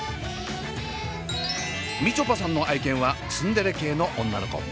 みちょぱさんの愛犬はツンデレ系の女の子。